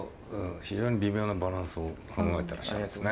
非常に微妙なバランスを考えてらっしゃるんですね。